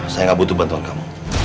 saya gak butuh bantuan kamu